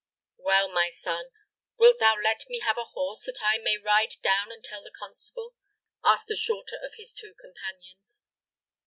"Well, my son, wilt thou let me have a horse, that I may ride down and tell the constable?" asked the shorter of his two companions.